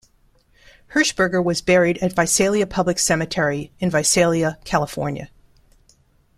Hershberger was buried at Visalia Public Cemetery in Visalia, California.